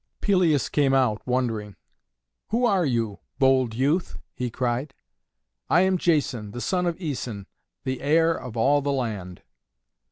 Pelias came out, wondering. "Who are you, bold youth?" he cried. "I am Jason, the son of Æson, the heir of all the land."